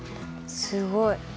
すごい。